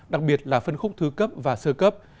đặc biệt là phân khúc thứ cấp và sơ cấp